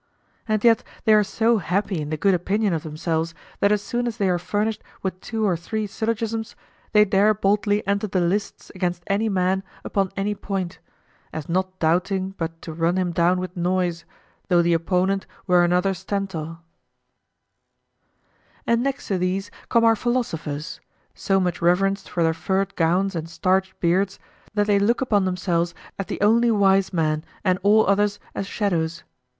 And yet they are so happy in the good opinion of themselves that as soon as they are furnished with two or three syllogisms, they dare boldly enter the lists against any man upon any point, as not doubting but to run him down with noise, though the opponent were another Stentor. And next these come our philosophers, so much reverenced for their furred gowns and starched beards that they look upon themselves as the only wise men and all others as shadows.